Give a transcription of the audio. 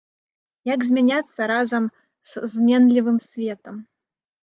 Як змяняцца разам з зменлівым светам?